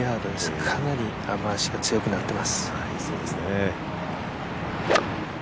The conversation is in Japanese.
かなり雨足が強くなっています。